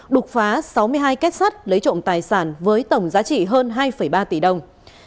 đột phá sáu mươi hai kết sắt lấy trộm tài sản với tổng giá trị hơn hai ba tỷ đồng